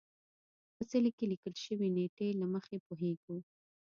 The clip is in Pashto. په څلي کې لیکل شوې نېټې له مخې پوهېږو.